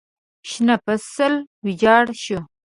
شنه فصل ویجاړ شو.